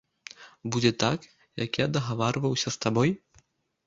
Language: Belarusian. Будзе так, як я дагаварваўся з табой?